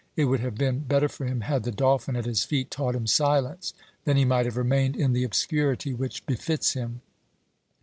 It would have been better for him had the dolphin at his feet taught him silence. Then he might have remained in the obscurity which befits him.